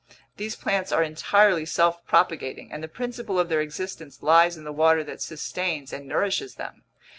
These plants are entirely self propagating, and the principle of their existence lies in the water that sustains and nourishes them.